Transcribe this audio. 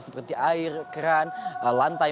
seperti air keran lantai